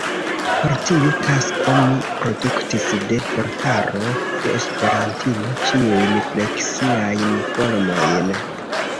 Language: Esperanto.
Por tiu tasko mi produktis de vortaro de Esperantilo ĉiujn fleksiajn formojn.